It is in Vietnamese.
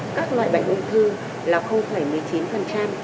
các loại bệnh ung thư là một mươi chín